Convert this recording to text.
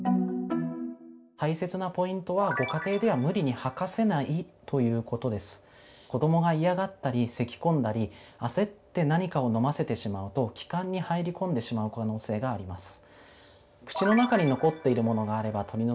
大切なポイントはご家庭では子どもが嫌がったりせきこんだり焦って何かを飲ませてしまうと気管に入り込んでしまう可能性があります。